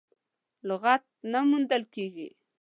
لغت نه موندل کېږي.